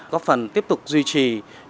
góp phần tiếp tục duy trì